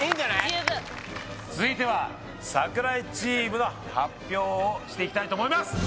十分続いては櫻井チームの発表をしていきたいと思います